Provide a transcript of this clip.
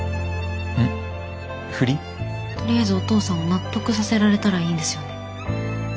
とりあえずお父さんを納得させられたらいいんですよね。